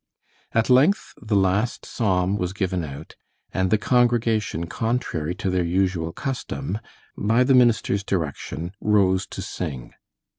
At length the last psalm was given out, and the congregation, contrary to their usual custom, by the minister's direction, rose to sing.